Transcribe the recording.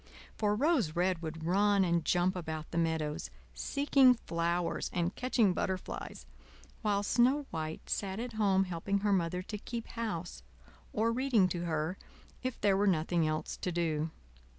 For Rose Red would run and jump about the meadows, seeking flowers and catching butterflies, while Snow White sat at home helping her Mother to keep house, or reading to her if there were nothing else to do.